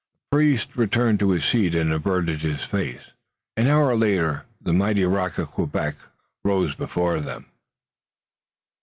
The priest returned to his seat, and averted his face. An hour later the mighty rock of Quebec rose before them.